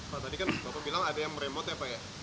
pak tadi kan bapak bilang ada yang meremot ya pak ya